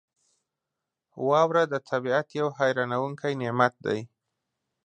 • واوره د طبعیت یو حیرانونکی نعمت دی.